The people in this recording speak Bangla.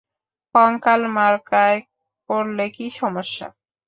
কঙ্কাল মার্কায় করলে কী সমস্যা?